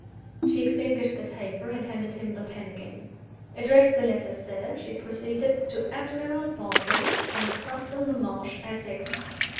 She extinguished the taper, and handed him the pen again. "Address the letter, sir," she proceeded, "to _Admiral Bartram, St. Crux in the Marsh, Essex.